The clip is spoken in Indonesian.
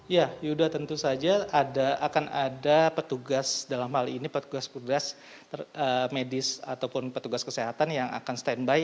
ya yuda tentu saja akan ada petugas dalam hal ini petugas petugas medis ataupun petugas kesehatan yang akan standby